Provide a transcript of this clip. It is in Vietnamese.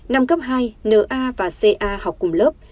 năm cấp hai n a và c a học cùng lớp